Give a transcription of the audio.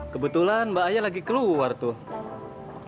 kebetulan mbak aya lagi keluar tuh